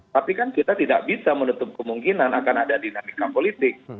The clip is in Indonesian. tapi kan kita tidak bisa menutup kemungkinan akan ada dinamika politik